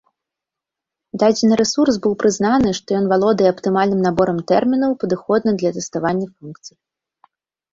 Дадзены рэсурс быў прызнаны, што ён валодае аптымальным наборам тэрмінаў, падыходны для тэставання функцый.